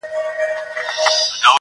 څه انګور او څه شراب څه میکدې سه,